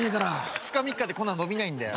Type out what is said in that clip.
２日３日でこんな伸びないんだよ。